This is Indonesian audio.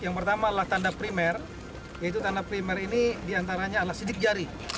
yang pertama adalah tanda primer yaitu tanda primer ini diantaranya adalah sidik jari